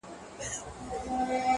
نه ښېرا نه کوم هغه څومره نازک زړه لري.